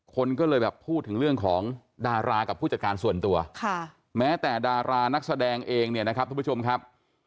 คนก็เลยแบบพูดถึงเรื่องของดารากับผู้จัดการส่วนตัวแม้แต่ดารานักแสดงเองเนี่ยนะครับทุกผู้ชมครับ